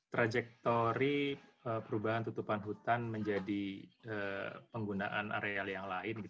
trajektori perubahan tutupan hutan menjadi penggunaan areal yang lain